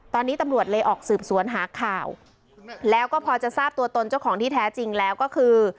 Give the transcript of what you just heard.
ตอนนี้ตำรวจเลยออกสืบสวนหาข่าวแล้วก็พอจะทราบตัวตนเจ้าของที่แท้จริงแล้วก็คือ